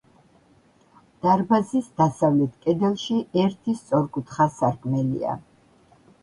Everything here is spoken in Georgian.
დარბაზის დასავლეთ კედელში ერთი სწორკუთხა სარკმელია.